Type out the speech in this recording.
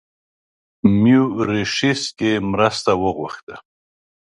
په میوریشیس کې مرسته وغوښته.